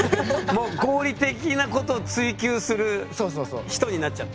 もう合理的なことを追求する人になっちゃった。